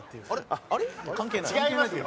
違いますよ！